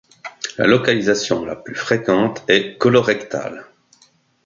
La localisation la plus fréquente est colorectale.